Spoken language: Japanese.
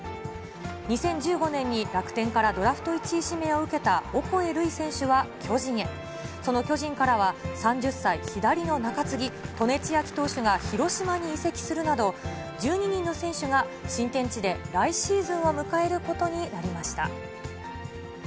２０１５年に楽天からドラフト１位指名を受けたオコエ瑠偉選手は巨人へ、その巨人からは３０歳、左の中継ぎ、戸根千明投手が広島に移籍するなど、１２人の選手が新天地で来シーズンを迎えることになりました。